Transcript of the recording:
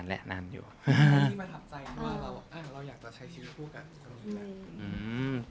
เราจะต้องใช้ชีวิตคู่กัน